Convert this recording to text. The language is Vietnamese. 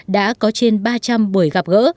đã có trên ba trăm linh buổi gặp gỡ